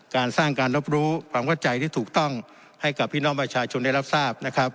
การสร้างการรับรู้ความเข้าใจที่ถูกต้องให้กับพี่น้องประชาชนได้รับทราบนะครับ